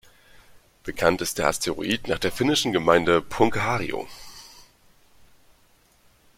Benannt ist der Asteroid nach der finnischen Gemeinde Punkaharju.